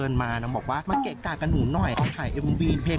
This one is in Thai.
วันนี้เกี่ยวกับกองถ่ายเราจะมาอยู่กับว่าเขาเรียกว่าอะไรอ่ะนางแบบเหรอ